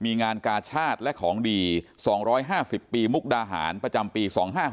มีงานกาชาติและของดี๒๕๐ปีมุกดาหารประจำปี๒๕๖๖